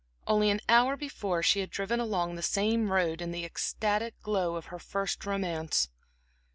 Only an hour before she had driven along this same road in the ecstatic glow of her first romance.